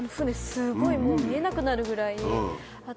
すごいもう見えなくなるぐらいだった。